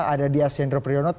ada diasyendro prionot